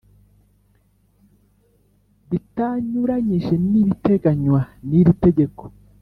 bitanyuranyije n ibiteganywa n iri tegeko